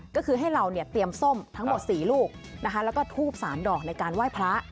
ก็คือให้เราเนี่ยเตรียมส้มทั้งหมด๔ลูกนะคะแล้วก็ทูบ๓ดอกในการไหว้พระ